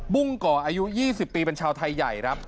บุ้งก่ออายุ๒๐ปีเป็นชาวไทยใหญ่ครับ